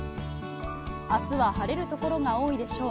あすは晴れる所が多いでしょう。